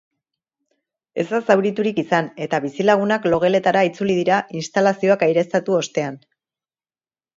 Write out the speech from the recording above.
Ez da zauriturik izan eta bizilagunak logeletara itzuli dira instalazioak aireztatu ostean.